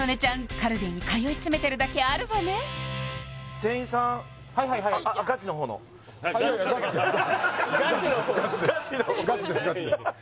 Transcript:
カルディに通い詰めてるだけあるわね何ですか？